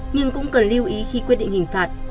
nhưng cũng cần lưu ý khi quyết định hình phạt